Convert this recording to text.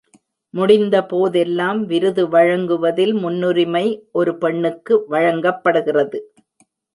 முடிந்த போதெல்லாம் விருது வழங்குவதில் முன்னுரிமை ஒரு பெண்ணுக்கு வழங்கப்படுகிறது.